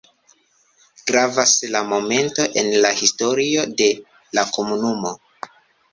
Gravas la momento en la historio de la komunumo.